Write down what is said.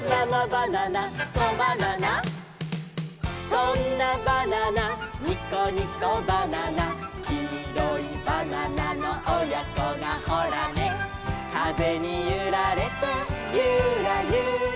「そんなバナナニコニコバナナ」「きいろいバナナのおやこがホラネ」「かぜにゆられてユラユラ」